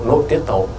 nồng độ nội tiết tố